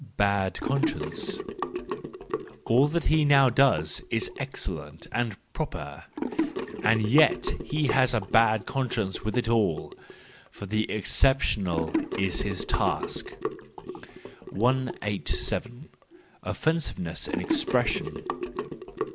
Bad Conscience .—All that he now does is ex¬ cellent and proper—and yet he has a bad con¬ science with it all. For the exceptional is his task. 187. Offensiveness in Expression